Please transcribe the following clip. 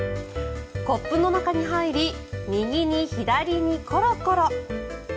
コップの中に入り右に左にコロコロ。